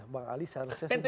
bang ali saya harusnya sendiri